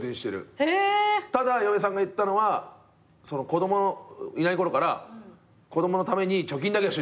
ただ嫁さんが言ったのは子供いない頃から子供のために貯金だけはしといてくれと。